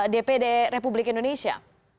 dpd republik indonesia